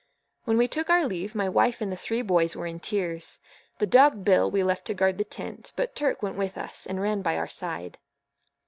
When we took our leave, my wife and the three boys were in tears. The dog Bill we left to guard the tent, but Turk went with us, and ran by our side.